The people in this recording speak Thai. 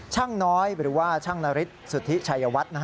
ช่างน้อยหรือว่าช่างนฤทธิสุธิชัยวัฒน์